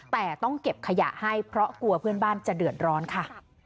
แต่ต้องเก็บขยะให้เพราะกลัวเพื่อนบ้านจะเดือดร้อนค่ะ